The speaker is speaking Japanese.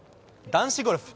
男子ゴルフ。